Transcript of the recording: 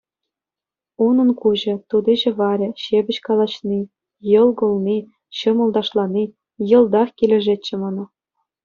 Унӑн куҫӗ, тути-ҫӑварӗ, ҫепӗҫ калаҫни, йӑл кулни, ҫӑмӑл ташлани — йӑлтах килӗшетчӗ мана.